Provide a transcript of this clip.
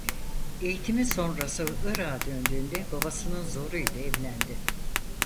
Eğitimi sonrası Irak'a döndüğünde babasının zoru ile evlendi.